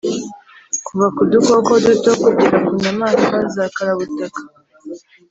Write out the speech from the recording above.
kuva ku dukoko duto kugera ku nyamaswa za karabutaka